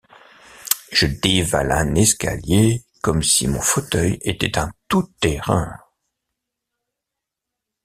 Je dévale un escalier comme si mon fauteuil était un tout-terrain.